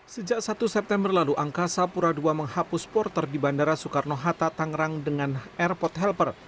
sejak satu september lalu angkasa pura ii menghapus porter di bandara soekarno hatta tangerang dengan airport helper